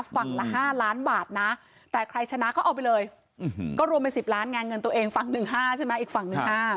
ฝั่งละ๕ล้านบาทนะแต่ใครชนะก็เอาไปเลยก็รวมเป็น๑๐ล้านไงเงินตัวเองฝั่ง๑๕ใช่ไหมอีกฝั่ง๑๕